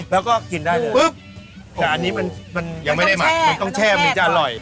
แล้วก็กินได้เลยปุ๊บแต่อันนี้มันยังไม่ได้หมักมันต้องแช่มันจะอร่อย